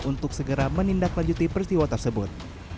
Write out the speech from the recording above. untuk segera menindaklanjuti peristiwa tersebut